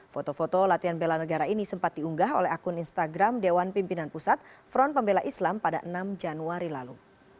foto foto latihan bela negara ini sempat diunggah oleh akun instagram dewan pimpinan pusat front pembela islam pada enam januari lalu